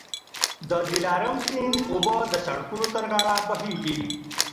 د دلارام سیند اوبه د سړکونو تر غاړه بهېږي.